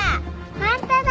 本当だ！